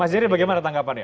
mas ziri bagaimana tanggapannya